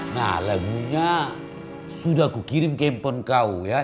nah lagunya sudah aku kirim ke handphone kau ya